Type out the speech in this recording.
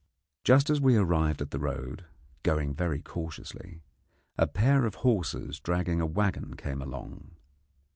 Just as we arrived at the road, going very cautiously, a pair of horses dragging a waggon came along.